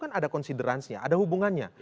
kan ada konsideransinya ada hubungannya